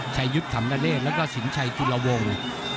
ชายุทธ์ถำนาเลแล้วก็สินชัยจุฬาวงศ์